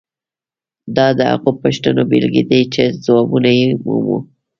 دا د هغو پوښتنو بیلګې دي چې ځوابونه یې مومو.